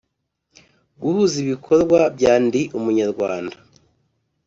guhuza ibikorwa bya Ndi Umunyarwanda